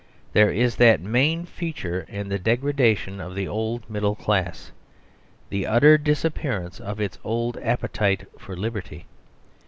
There is that main feature in the degradation of the old middle class: the utter disappearance of its old appetite for liberty.